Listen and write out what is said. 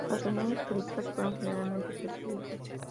Las reuniones políticas fueron generalmente pacíficas.